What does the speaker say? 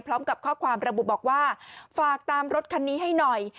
พร้อมกับข้อความระบุบอกว่าฝากตามรถคันนี้ให้หน่อย